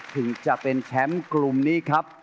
ถึงจะเป็นแชมป์กลุ่มนี้ครับ